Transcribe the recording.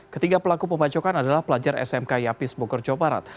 ketiga pelaku pembacokan adalah pelajar smk yapis bogor jawa barat